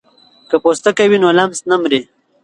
که پوستکی وي نو لمس نه مري.